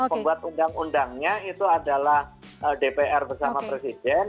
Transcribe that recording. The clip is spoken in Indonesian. pembuat undang undangnya itu adalah dpr bersama presiden